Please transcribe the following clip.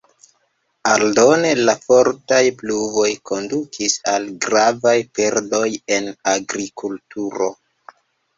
Aldone, la fortaj pluvoj kondukis al gravaj perdoj en agrikulturo.